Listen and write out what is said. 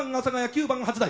９番初台。